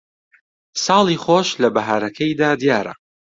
ساڵی خۆش لە بەھارەکەیدا دیارە